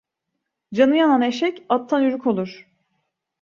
Canı yanan eşek attan yürük olur.